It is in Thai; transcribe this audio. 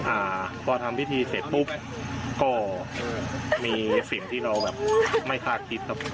อ่าพอทำพิธีเสร็จปุ๊บก็มีสิ่งที่เราแบบไม่คาดคิดครับ